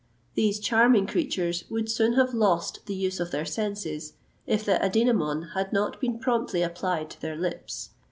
These charming creatures would soon have lost the use of their senses, if the adynamon had not been promptly applied to their lips.